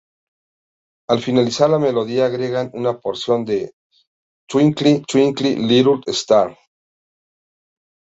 Al finalizar la melodía agregan una porción de Twinkle Twinkle Little Star.